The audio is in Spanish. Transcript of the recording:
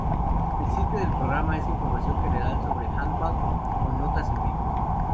El stilo del programa es información general sobre handball con notas en vivo.